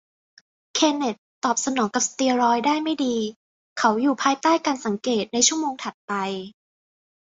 เคนเนธตอบสนองกับสเตียรอยด์ได้ไม่ดี เขาอยู่ภายใต้การสังเกตในชั่วโมงถัดไป